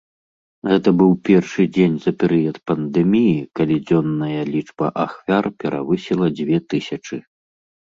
Гэта быў першы дзень за перыяд пандэміі, калі дзённая лічба ахвяр перавысіла дзве тысячы.